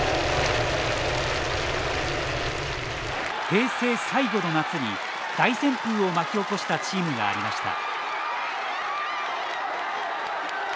平成最後の夏に大旋風を巻き起こしたチームがありました。